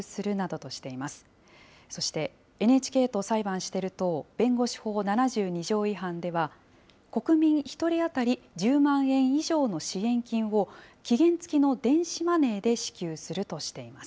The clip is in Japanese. そしてＮＨＫと裁判してる党弁護士法７２条違反では、国民１人当たり１０万円以上の支援金を期限付きの電子マネーで支給するとしています。